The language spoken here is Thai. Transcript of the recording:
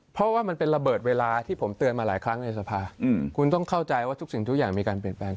เพราะว่ามันเป็นระเบิดเวลาที่ผมเตือนมาหลายครั้งในสภาคุณต้องเข้าใจว่าทุกสิ่งทุกอย่างมีการเปลี่ยนแปลง